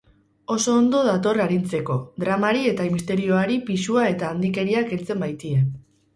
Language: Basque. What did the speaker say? Oso ondo dator arintzeko, dramari eta misterioari pisua eta handikeria kentzen baitie.